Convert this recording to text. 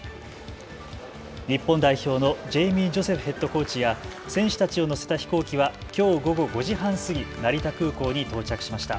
日本代表のジェイミー・ジョセフヘッドコーチや選手たちを乗せた飛行機はきょう午後５時半過ぎ成田空港に到着しました。